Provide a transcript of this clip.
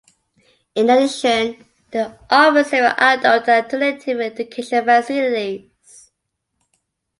In addition, they offer several adult and alternative education facilities.